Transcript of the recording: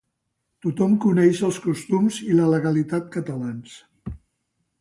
Tothom coneix els costums i la legalitat catalans.